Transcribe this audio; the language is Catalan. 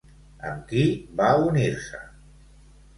Amb qui va unir-se?